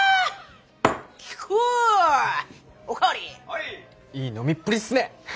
いい飲みっぷりっすね！